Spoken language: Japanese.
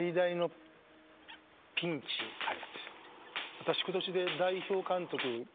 私今年で代表監督